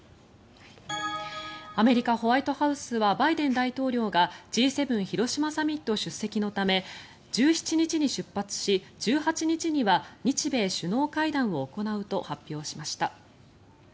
アメリカ・ホワイトハウスはバイデン大統領がＧ７広島サミット出席のため１７日に出発し１８日には日米首脳会談を行うと発表しました。